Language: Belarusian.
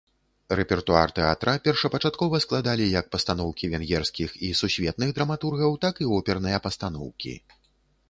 Рэпертуар тэатра першапачаткова складалі як пастаноўкі венгерскіх і сусветных драматургаў, так і оперныя пастаноўкі.